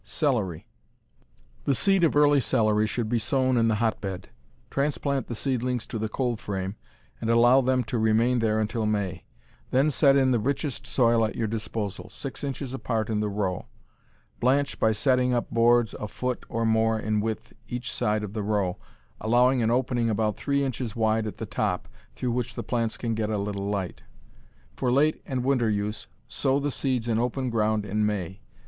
Celery The seed of early celery should be sown in the hotbed. Transplant the seedlings to the cold frame and allow them to remain there until May. Then set in the richest soil at your disposal, six inches apart in the row. Blanch by setting up boards a foot or more in width each side the row, allowing an opening about three inches wide at the top through which the plants can get a little light. For late and winter use, sow the seeds in open ground in May.